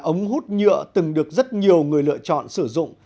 ống hút nhựa từng được rất nhiều người lựa chọn sử dụng